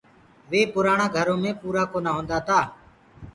وي پُرآڻآ گھرو مي پورآ ڪونآ هوندآ تآ۔